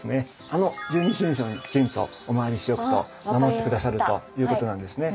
あの十二神将にきちんとお参りしておくと守って下さるということなんですね。